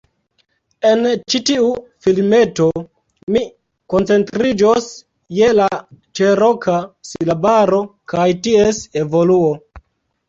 En ĉi tiu filmeto, mi koncentriĝos je la Ĉeroka silabaro kaj ties evoluo